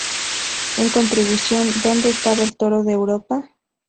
En contribución "¿Dónde estaba el toro de Europa?